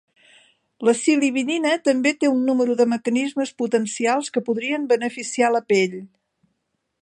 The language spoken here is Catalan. La silibinina també té un número de mecanismes potencials que podrien beneficiar la pell.